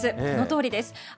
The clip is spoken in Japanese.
そのとおりです。